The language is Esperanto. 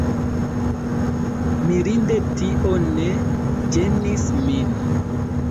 Mirinde tio ne ĝenis min.